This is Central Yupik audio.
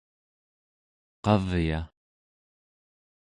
qavya